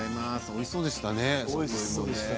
おいしそうでしたね。